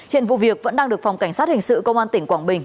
hiện vụ việc vẫn đang được phòng cảnh sát hình sự công an tỉnh quảng bình